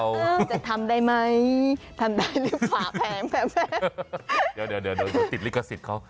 จะทำได้ไหมทำได้หรือเปล่าแพงเดี๋ยวเดี๋ยวติดลิขสิทธิ์เขา